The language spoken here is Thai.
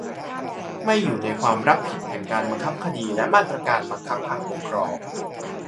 "ไม่อยู่ในความรับผิดแห่งการบังคับคดีและมาตรการบังคับทางปกครอง"